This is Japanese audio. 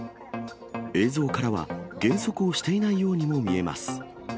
映像からは、減速をしていないようにも見えます。